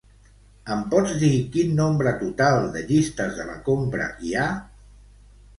Em pots dir quin nombre total de llistes de la compra hi ha?